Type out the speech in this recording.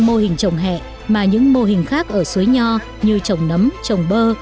mô hình trồng hẹ mà những mô hình khác ở suối nho như trồng nấm trồng bơ